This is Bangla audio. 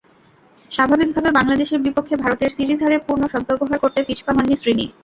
স্বাভাবিকভাবে বাংলাদেশের বিপক্ষে ভারতের সিরিজ হারের পূর্ণ সদ্ব্যবহার করতে পিছপা হননি শ্রীনি।